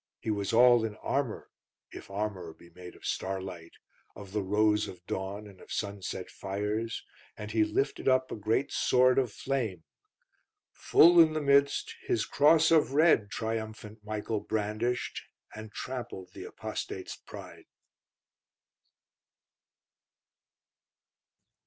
He was all in armour, if armour be made of starlight, of the rose of dawn, and of sunset fires; and he lifted up a great sword of flame. Full in the midst, his Cross of Red Triumphant Michael brandished, And trampled the Apostate's pride.